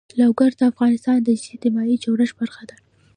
لوگر د افغانستان د اجتماعي جوړښت برخه ده.